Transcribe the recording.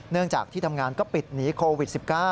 เนื่องจากที่ทำงานก็ปิดหนีโควิด๑๙